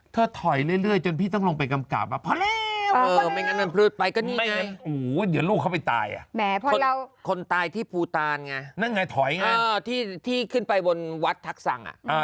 ที่ขึ้นไปบนวัดทักสัง